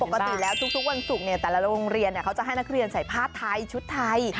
ปกติแล้วทุกวันศุกร์แต่ละโรงเรียนเขาจะให้นักเรียนใส่ผ้าไทยชุดไทย